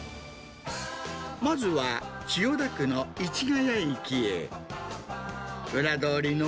まずは千代田区の市ヶ谷駅へ。